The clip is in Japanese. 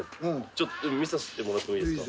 見させてもらってもいいですか？